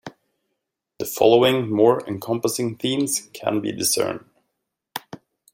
The following more encompassing themes can be discerned.